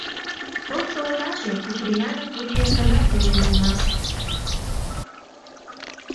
Тошто озаже, Куприянов, вучен гына илен улмаш.